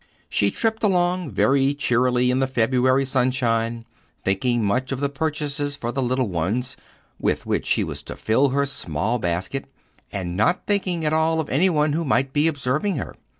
She tripped along very cheerily in the February sunshine, thinking much of the purchases for the little ones, with which she was to fill her small basket, and not thinking at all of any one who might be observing her.